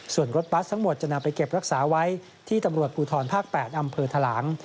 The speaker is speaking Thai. ส่วนรถบัสทั้งหมดจะนำไปเก็บรักษาไว้ที่ตำรวจภูทรภาค๘อำเภอทะลัง